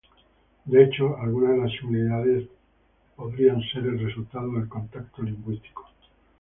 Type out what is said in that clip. De hecho algunas de las similaridades podrían ser el resultado del contacto lingüístico.